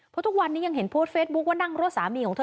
เพราะทุกวันนี้ยังเห็นโพสต์เฟซบุ๊คว่านั่งรถสามีของเธอ